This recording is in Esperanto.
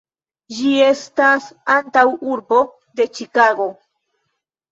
Ĝi estas antaŭurbo de Ĉikago.